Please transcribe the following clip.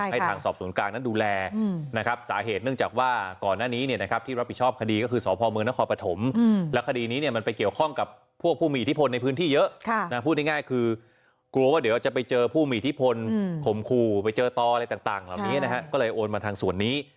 ให้ทางสอบสวนกลางนั้นดูแลนะครับสาเหตุเนื่องจากว่าก่อนหน้านี้เนี่ยนะครับที่รับผิดชอบคดีก็คือสพมนครปฐมและคดีนี้เนี่ยมันไปเกี่ยวข้องกับพวกผู้มีอิทธิพลในพื้นที่เยอะพูดง่ายคือกลัวว่าเดี๋ยวจะไปเจอผู้มีอิทธิพลข่มขู่ไปเจอต่ออะไรต่างเหล่านี้นะฮะก็เลยโอนมาทางส่วนนี้